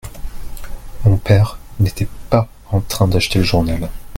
Mon père n'était pas en train d'acheter le journal.